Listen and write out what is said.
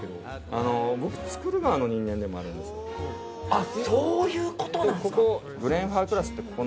あっそういう事なんすか？